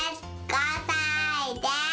５さいです。